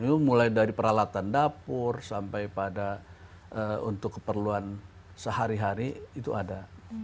memang mulai dari peralatan dapur sampai pada untuk keperluan sehari hari itu ada